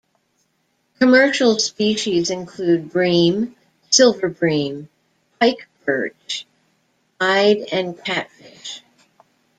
Commercial species include bream, silver bream, pikeperch, ide, and catfish.